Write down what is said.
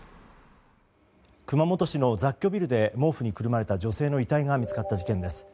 熊本市の雑居ビルで毛布にくるまれた女性の遺体が見つかった事件です。